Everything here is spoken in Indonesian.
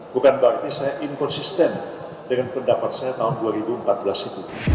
bukan berarti saya inkonsisten dengan pendapat saya tahun dua ribu empat belas itu